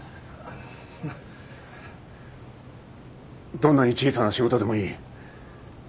どんなに小さな仕事でもいい。